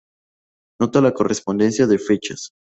Nota la correspondencia de fechas.